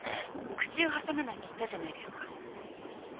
口を挟まないって言ったじゃないですか。